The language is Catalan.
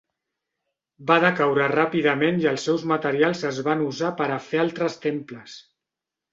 Va decaure ràpidament i els seus materials es van usar per a fer altres temples.